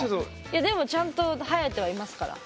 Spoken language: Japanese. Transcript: いやでもちゃんと生えてはいますから。